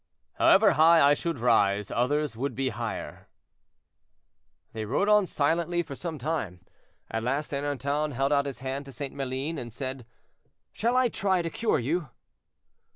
"However high I should rise, others would be higher." They rode on silently for some time. At last Ernanton held out his hand to St. Maline, and said, "Shall I try to cure you?"